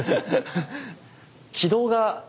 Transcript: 軌道が。